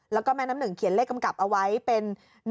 แล้วก็แม่น้ำหนึ่งเขียนเลขกำกับเอาไว้เป็น